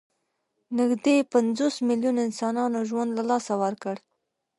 نږدې پنځوس میلیونو انسانانو ژوند له لاسه ورکړ.